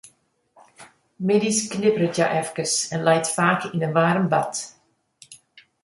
Middeis knipperet hja efkes en leit faak yn in waarm bad.